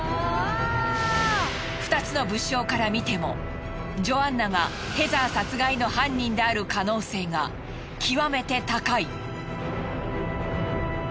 二つの物証から見てもジョアンナがヘザー殺害の犯人である可能性が極めて高い。